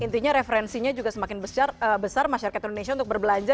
intinya referensinya juga semakin besar masyarakat indonesia untuk berbelanja